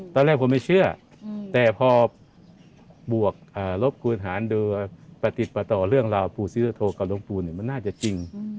ตอนแรกผมไม่เชื่อแต่พอบวกรบกวนหารโดยประติดประต่อเรื่องราวปู่ศิรโทกับหลวงปู่มันน่าจะจริง